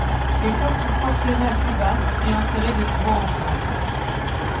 Les corps sont transférés à Cuba puis enterrés de nouveau ensemble.